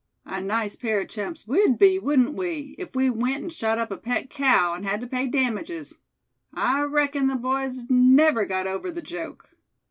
A nice pair of chumps we'd be, wouldn't we, if we went and shot up a pet cow, and had to pay damages? I reckon the boys'd never got over the joke."